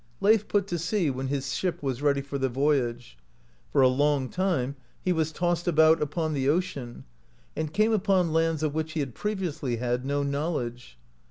Leif put to sea when his ship was ready for the voyage. For a long time he was tossed about upon the ocean, and came upon lands of which he had previously had no knowledge.